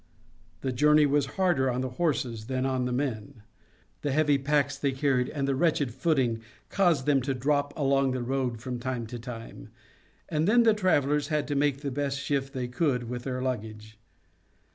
The journey was harder on the horses than on the men. The heavy packs they carried, and the wretched footing, caused them to drop along the road from time to time, and then the travelers had to make the best shift they could with their luggage.